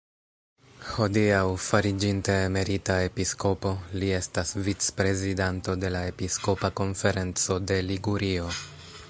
Hodiaŭ, fariĝinte emerita episkopo, li estas vicprezidanto de la "Episkopa konferenco de Ligurio".